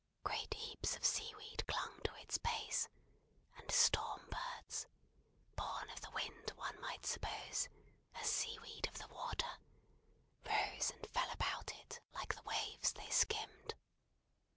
Great heaps of sea weed clung to its base, and storm birds born of the wind one might suppose, as sea weed of the water rose and fell about it, like the waves they skimmed.